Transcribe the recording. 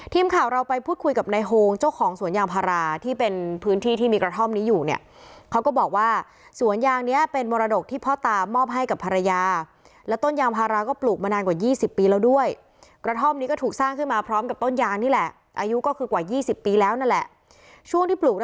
ทีมข่าวเราไปพูดคุยกับนายโฮงเจ้าของสวนยางพาราที่เป็นพื้นที่ที่มีกระท่อมนี้อยู่เนี่ยเขาก็บอกว่าสวนยางเนี้ยเป็นมรดกที่พ่อตามอบให้กับภรรยาแล้วต้นยางพาราก็ปลูกมานานกว่า๒๐ปีแล้วด้วยกระท่อมนี้ก็ถูกสร้างขึ้นมาพร้อมกับต้นยางนี่แหละอายุก็คือกว่ายี่สิบปีแล้วนั่นแหละช่วงที่ปลูก